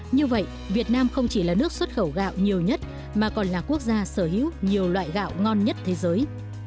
như vậy việt nam không chỉ là nước xuất khẩu gạo nhiều nhất mà còn là quốc gia sở hữu nhiều loại gạo ngon nhất thế giới